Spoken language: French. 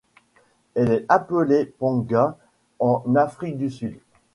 Il est appelé Panga en Afrique du Sud.